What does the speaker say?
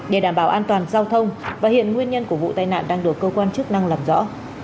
để đảm bảo an toàn giao thông và hiện nguyên nhân của vụ tai nạn đang được cơ quan chức năng làm rõ